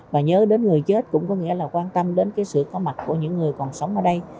và nhớ đến người chết cũng có nghĩa là quan tâm đến cái sự có mặt của những người còn sống ở đây